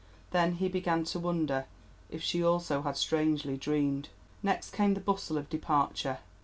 Then he began to wonder if she also had strangely dreamed. Next came the bustle of departure.